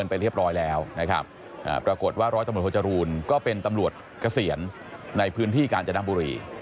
ปรากฏว่าร้อยตำรวจโฮจรูลก็เป็นตำรวจเกษียณในพื้นที่การจะนำบุหรี่